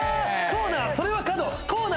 コーナーそれは角！